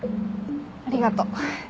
ありがとう。